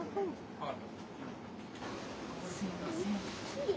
はい。